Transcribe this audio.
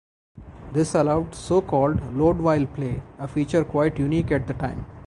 This allowed so-called load-while-play, a feature quite unique at the time.